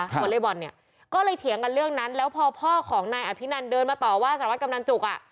วอเล็กบอลเนี่ยก็เลยเถียงกันเรื่องนั้นแล้วพอพ่อของนายอภินันเดินมาต่อว่าสารวัตกำนันจุกอ่ะ